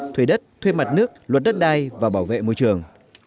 thuê đất thuê mặt nước luật đất đai và bảo vệ môi trường